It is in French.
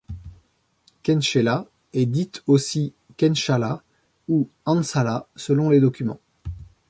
Khenchela est dite aussi Khenshala ou Hansala selon les documents.